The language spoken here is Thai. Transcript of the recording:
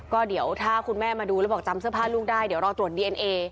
ก็เดี๋ยวถ้าคุณแม่มาดูแล้วบอกจำเสื้อผ้าลูกได้เดี๋ยวรอตรวจดีเอ็นเอ